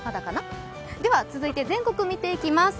では続いて、全国を見ていきます。